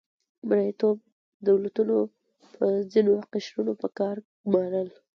مرئیتوب دولتونو به ځینې قشرونه په کار ګمارل.